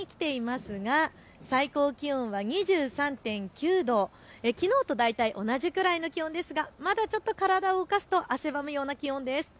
きょうは横浜に来ていますが最高気温は２３．９度、きのうと大体同じぐらいの気温ですがまだちょっと体を動かすと汗ばむような気温です。